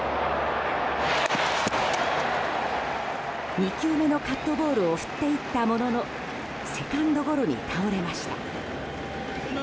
２球目のカットボールを振っていったもののセカンドゴロに倒れました。